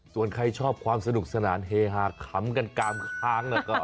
ส่วนใครชอบความสนุกสนานเฮฮาขำกันกามค้าง